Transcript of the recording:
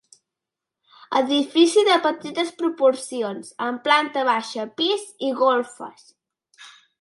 Edifici de petites proporcions amb planta baixa, pis i golfes.